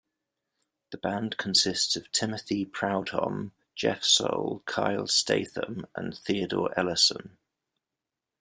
The band consists of Timothy Prudhomme, Geoff Soule, Kyle Statham, and Theodore Ellison.